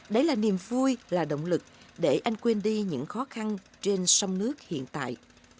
đấy là niềm vui là động lực để anh quên đi những khó khăn trên sông nước hiện tại